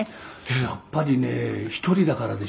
「やっぱりね１人だからでしょ」